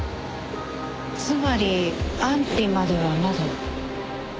つまり安否まではまだ。